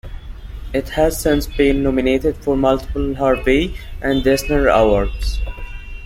It has since been nominated for multiple Harvey and Eisner Awards.